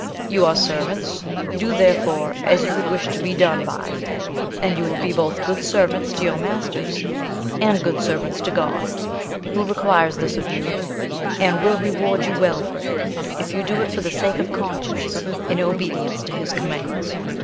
You are servants: do, therefore, as you would wish to be done by, and you will be both good servants to your masters and good servants to God, who requires this of you, and will reward you well for it, if you do it for the sake of conscience, in obedience to his commands.